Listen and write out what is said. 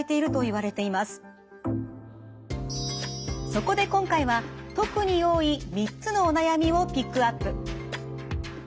そこで今回は特に多い３つのお悩みをピックアップ。